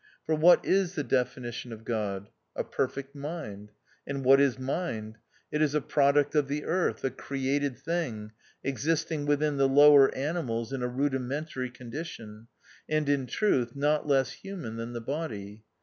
For what is the definition of God ? A Perfect Mind. And what is Mind ? It is a product of the earth, a created tiling, existing within the lower animals in a rudimentary condi tion, and in truth not less human than the body.